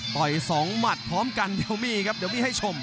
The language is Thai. ต่อย๒หมัดพร้อมกันเดี๋ยวมีครับเดี๋ยวมีให้ชม